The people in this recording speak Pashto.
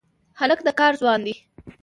هلک د کار ځواک دی.